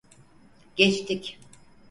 Geçtik.